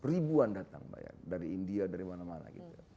ribuan datang bayar dari india dari mana mana